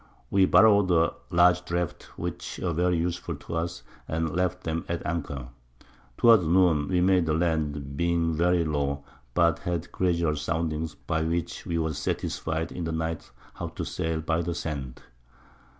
We borrowed a large Draft, which was very useful to us, and left 'em at Anchor. Towards Noon we made the Land, being very low, but had gradual Soundings, by which we was satisfied in the Night how to sail by the Sand.